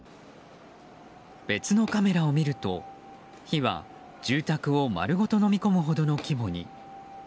別のカメラを見ると火は住宅を丸ごとのみ込むほどの規模に。